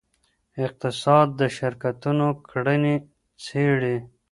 اقتصاد د شرکتونو کړنې څیړي.